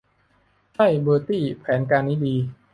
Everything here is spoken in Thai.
ใช่ เบอร์ตี้ แผนการนี้ดี